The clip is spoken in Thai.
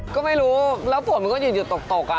ก็ไม่รู้แล้วผมก็หยุดตกอ่ะ